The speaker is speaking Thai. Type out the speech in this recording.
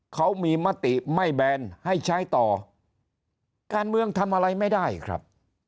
เขามีมติไม่แบนให้ใช้ต่อการเมืองทำอะไรไม่ได้ครับ